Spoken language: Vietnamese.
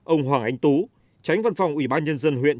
ông hoàng ánh tú tránh văn phòng ubnd huyện gia lâm